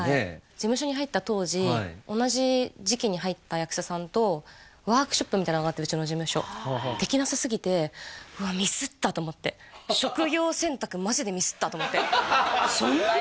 事務所に入った当時同じ時期に入った役者さんとワークショップみたいなのがあってうちの事務所できなさすぎてうわっミスったと思ってそんなに？